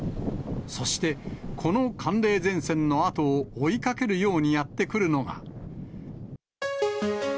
そして、この寒冷前線の後を追いかけるようにやって来るのが。